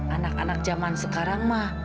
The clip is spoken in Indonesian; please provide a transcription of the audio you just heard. anak anak zaman sekarang mah